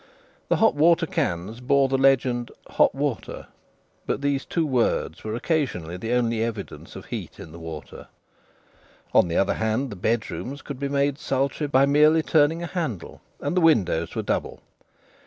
The hot water cans bore the legend "hot water," but these two words were occasionally the only evidence of heat in the water. On the other hand, the bedrooms could be made sultry by merely turning a handle; and the windows were double.